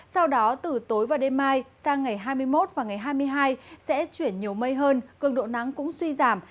sau đó từ tối và đêm mai sang ngày hai mươi một và ngày hai mươi hai sẽ chuyển nhiều mây hơn cường độ nắng cũng suy giảm